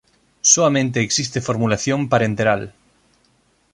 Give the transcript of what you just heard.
Soamente existe formulación parenteral.